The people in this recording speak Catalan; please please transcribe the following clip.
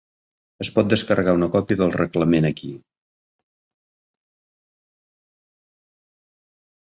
Es pot descarregar una còpia del reglament aquí.